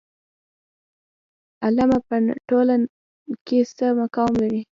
علما په ټولنه کې څه مقام لري؟